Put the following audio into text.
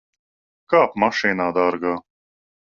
Kāp mašīnā, dārgā.